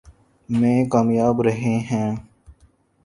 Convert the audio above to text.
میں کامیاب رہے ہیں۔